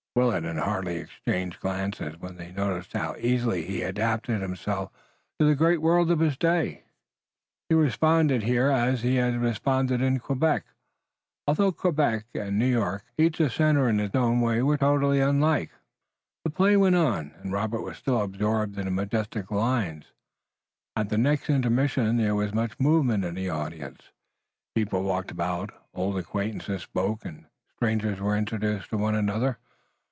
Willet and Hardy exchanged glances when they noticed how easily he adapted himself to the great world of his day. He responded here as he had responded in Quebec, although Quebec and New York, each a center in its own way, were totally unlike. The play went on, and Robert was still absorbed in the majestic lines. At the next intermission there was much movement in the audience. People walked about, old acquaintances spoke and strangers were introduced to one another.